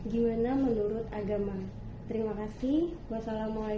gimana menurut agama